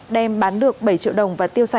đem bán được bảy triệu đồng